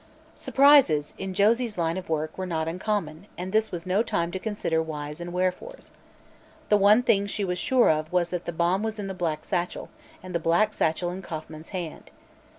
Surprises, in Josie's line of work were not uncommon, and this was no time to consider whys and wherefores. The one thing she was sure of was that the bomb was in the black satchel and the black satchel in Kauffman's hand.